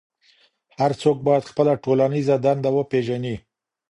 هر څوک بايد خپله ټولنيزه دنده وپېژني.